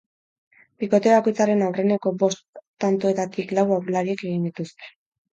Bikote bakoitzaren aurreneko bost tantoetatik lau aurrelariek egin dituzte.